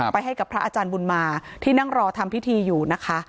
ให้กับพระอาจารย์บุญมาที่นั่งรอทำพิธีอยู่นะคะ